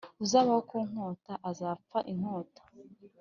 uzabaho ku nkota azapfa inkota